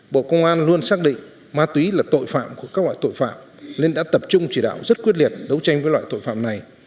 bộ công an luôn xác định ma túy là tội phạm của các loại tội phạm nên đã tập trung chỉ đạo rất quyết liệt đấu tranh với loại tội phạm này